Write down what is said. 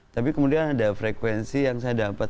tapi kemudian ada frekuensi yang saya dapat